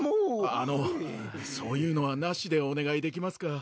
あのそういうのはなしでおねがいできますか？